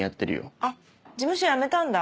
あっ事務所辞めたんだ？